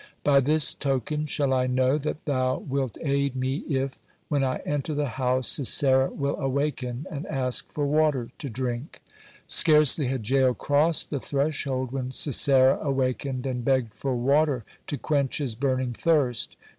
By this token shall I know that Thou wilt aid me if, when I enter the house, Sisera will awaken and ask for water to drink." Scarcely had Jael crossed the threshold when Sisera awakened and begged for water to quench his burning thirst.